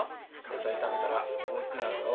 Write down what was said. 野菜食べたら大きくなるぞ。